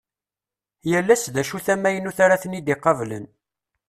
Yal ass d acu-t amaynut ara ten-id-iqablen.